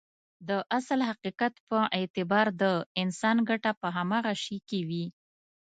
د اصل حقيقت په اعتبار د انسان ګټه په هماغه شي کې وي.